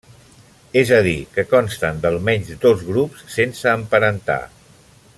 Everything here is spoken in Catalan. És a dir, que consten d'almenys dos grups sense emparentar.